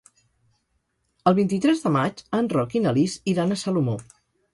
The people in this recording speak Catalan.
El vint-i-tres de maig en Roc i na Lis iran a Salomó.